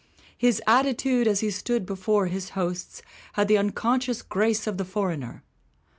"His attitude, as he stood before his hosts, had the unconscious grace of the foreigner."